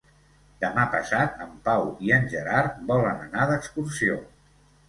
Demà passat en Pau i en Gerard volen anar d'excursió.